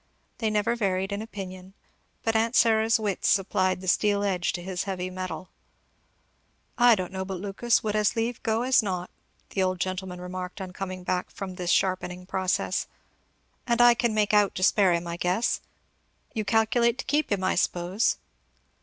They never varied in opinion, but aunt Syra's wits supplied the steel edge to his heavy metal. "I don't know but Lucas would as leave go as not," the old gentleman remarked on coming back from this sharpening process, "and I can make out to spare him, I guess. You calculate to keep him, I s'pose?"